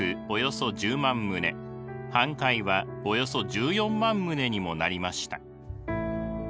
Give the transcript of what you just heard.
およそ１０万棟半壊はおよそ１４万棟にもなりました。